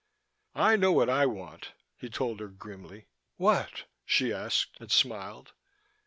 "I know what I want," he told her grimly. "What?" she asked, and smiled.